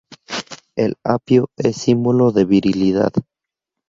El apio es símbolo de virilidad.